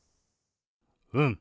うん。